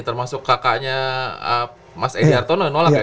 termasuk kakaknya mas edi hartono nolak ya